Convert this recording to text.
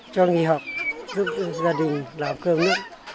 cho nghỉ học giúp gia đình làm cơm nước